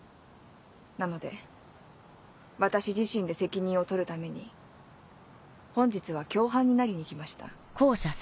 なので私自身で責任を取るために本日は共犯になりに来ました。